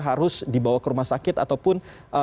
harus dibawa ke rumah sakit ataupun